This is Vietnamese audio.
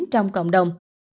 trong cộng đồng